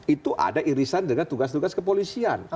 itu ada irisan dengan tugas tugas kepolisian